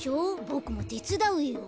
ボクもてつだうよ。